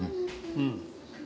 うん。